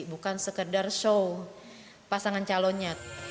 bukan sekedar show pasangan calonnya